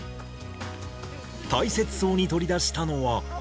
大切そうに取り出したのは。